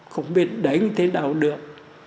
không biết đánh thế nào được